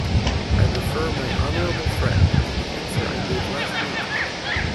I refer my honourable friend to the answer I gave last week.